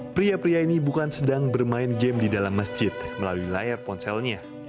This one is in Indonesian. pria pria ini bukan sedang bermain game di dalam masjid melalui layar ponselnya